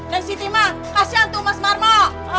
neng siti mah kasihan tuh mas marmo